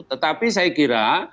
tetapi saya kira